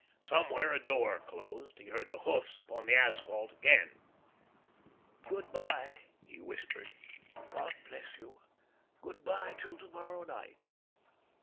Somewhere a door closed. He heard the hoofs upon the asphalt again. "Good by," he whispered. "God bless you! Good by till to morrow night."